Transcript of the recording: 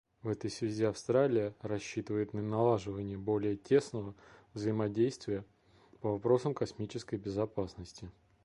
В этой связи Австралия рассчитывает на налаживание более тесного взаимодействия по вопросам космической безопасности.